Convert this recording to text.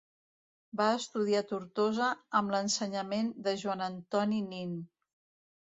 Va estudiar a Tortosa amb l'ensenyament de Joan Antoni Nin.